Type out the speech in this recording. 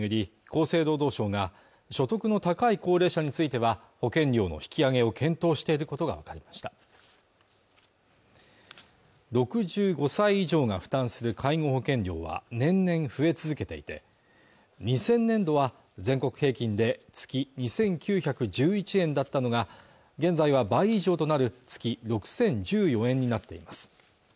厚生労働省が所得の高い高齢者については保険料の引き上げを検討していることが分かりました６５歳以上が負担する介護保険料は年々増え続けていて２０００年度は全国平均で月２９１１円だったのが現在は倍以上となる月６０１４円になっています